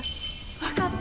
分かった。